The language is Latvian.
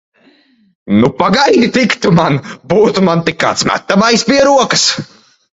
Nu, pagaidi tik tu man! Būtu man tik kāds metamais pie rokas!